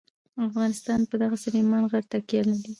افغانستان په دغه سلیمان غر تکیه لري.